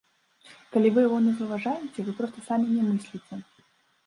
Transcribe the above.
Калі вы яго не заўважаеце, вы проста самі не мысліце.